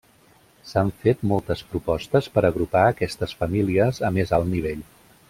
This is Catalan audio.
S'han fet moltes propostes per agrupar aquestes famílies a més alt nivell.